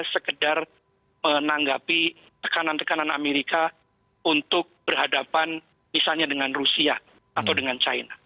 sekedar menanggapi tekanan tekanan amerika untuk berhadapan misalnya dengan rusia atau dengan china